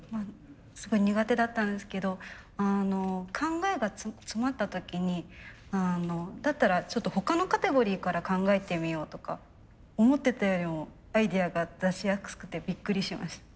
すごい苦手だったんですけど考えが詰まった時にだったらちょっと他のカテゴリーから考えてみようとか思ってたよりもアイデアが出しやすくてびっくりしました。